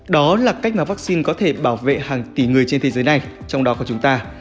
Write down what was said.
đó là cách mà vaccine có thể bảo vệ hàng tỷ người trên thế giới này trong đó có chúng ta